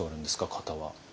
型は。